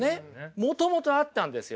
もともとあったんですよね。